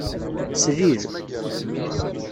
Slil.